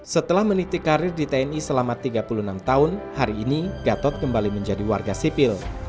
setelah meniti karir di tni selama tiga puluh enam tahun hari ini gatot kembali menjadi warga sipil